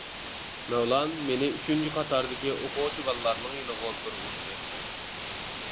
مەۋلان مېنى ئۈچىنچى قاتاردىكى ئوقۇغۇچى بالىلارنىڭ يېنىغا ئولتۇرغۇزدى.